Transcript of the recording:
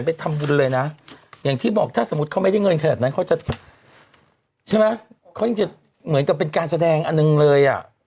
ไปทำวุฒิเลยนะอย่างที่บอกเราจะเหมือนก็เป็นการแสดงอันหนึ่งเลย